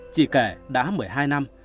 chị kể đã một mươi hai năm